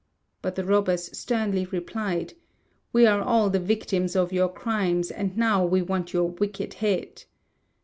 But the robbers sternly replied, "We are all the victims of your crimes, and now we want your wicked head."